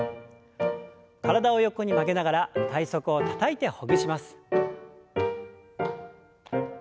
体を横に曲げながら体側をたたいてほぐします。